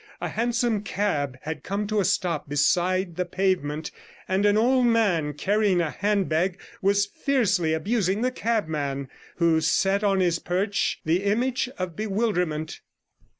A hansom cab had come to a stop beside the pavement, and 137 an old man, carrying a handbag, was fiercely abusing the cabman, who sat on his perch the image of bewilderment.